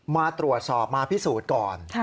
มาตรวจสอบมาพิสูจน์ก่อน